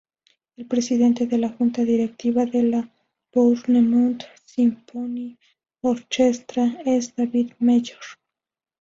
El presidente de la Junta directiva de la Bournemouth Symphony Orchestra es David Mellor.